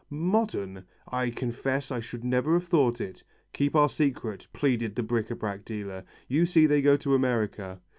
"Modern! I confess I should never have thought it." "Keep our secret," pleaded the bric à brac dealer. "You see they go to America."